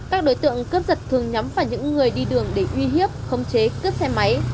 các đối tượng cướp giật thường nhắm vào những người đi đường để uy hiếp không chế cướp xe máy